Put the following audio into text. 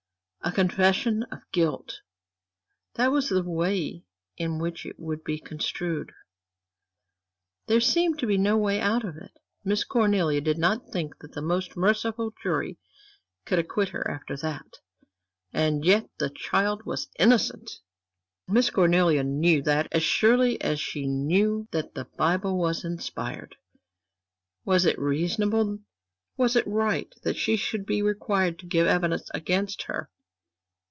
A confession of guilt! That was the way in which it would be construed there seemed no way out of it. Miss Cornelia did not think that the most merciful jury could acquit her after that. And yet the child was innocent Miss Cornelia knew that as surely as she knew that the Bible was inspired. Was it reasonable, was it right that she should be required to give evidence against her?